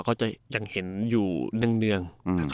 เขาจะยังเห็นอยู่เนื่อง